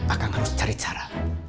akang harus cari cara